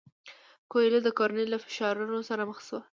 کویلیو د کورنۍ له فشارونو سره مخ شو.